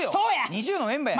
ＮｉｚｉＵのメンバーや。